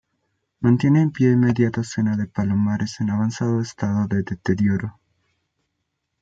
Mantiene en pie media docena de palomares en avanzado estado de deterioro.